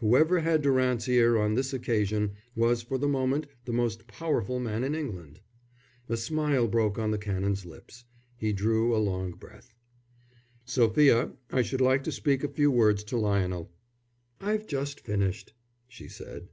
Whoever had Durant's ear on this occasion was for the moment the most powerful man in England. A smile broke on the Canon's lips. He drew a long breath. "Sophia, I should like to speak a few words to Lionel." "I've just finished," she said.